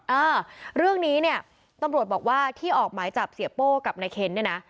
เออเรื่องนี้เนี่ยตำรวจบอกว่าที่ออกหมายจับเสียโป้กับนายเคนเนี่ยนะ